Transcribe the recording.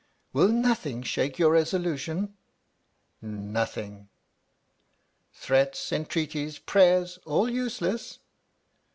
" Will nothing shake your resolution ?"" Nothing!" "Threats, entreaties, prayers all useless?"